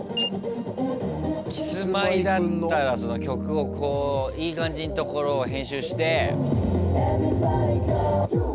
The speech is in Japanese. キスマイだったらその曲をいい感じんところを編集して。